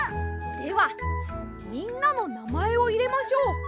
ではみんなのなまえをいれましょう。